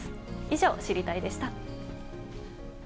以上、知りたいッ！でした。